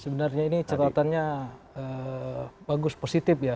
sebenarnya ini catatannya bagus positif ya